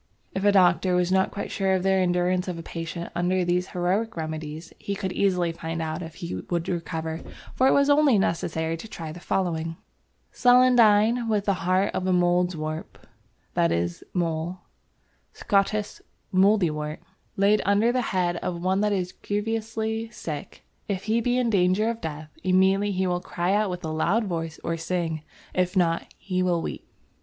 If a doctor was not quite sure of the endurance of a patient under these heroic remedies, he could easily find out if he would recover, for it was only necessary to try the following: "Celandine with the heart of a Mouldwarp" (that is mole, Scottice moudiewort) "laid under the Heade of one that is grievouslie Sicke, if he be in danger of Death, immediately he will cry out with a loud voice or sing; if not, he will weep."